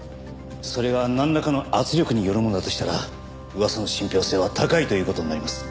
それがなんらかの圧力によるものだとしたら噂の信憑性は高いという事になります。